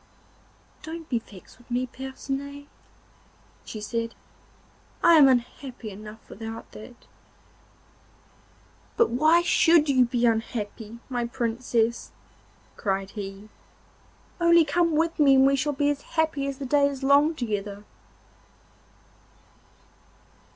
'Don't be vexed with me, Percinet,' she said. 'I am unhappy enough without that.' 'But why should you be unhappy, my Princess?' cried he. 'Only come with me and we shall be as happy as the day is long together.